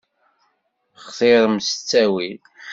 Xtiṛem s ttawil.